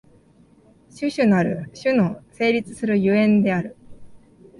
種々なる種の成立する所以である。